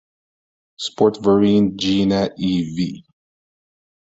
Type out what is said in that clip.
Sportverein Jena e.V.